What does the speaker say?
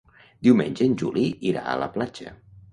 Diumenge en Juli irà a la platja.